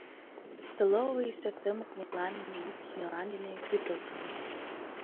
Столовыйысо тымык мутланыме йӱк-йӱан дене кӱрылтӧ.